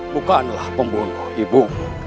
bukanlah pembunuh ibu